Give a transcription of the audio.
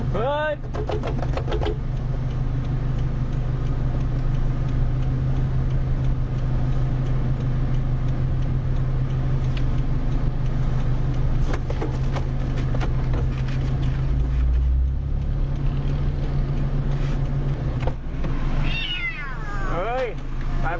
เฮ้จำดี